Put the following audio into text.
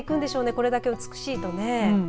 これだけ美しいとね。